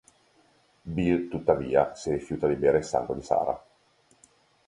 Bill, tuttavia, si rifiuta di bere il sangue di Sarah.